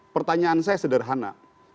pertanyaan saya sederhana